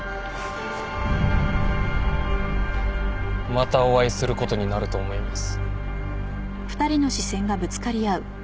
またお会いすることになると思います。